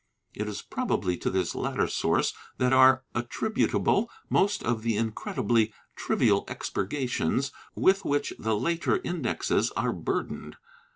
It is probably to this latter source that are attributable most of the incredibly trivial expurgations with which the later Indexes are burdened.